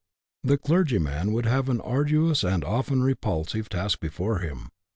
The clergyman would have an arduous, and often a repulsive task before him.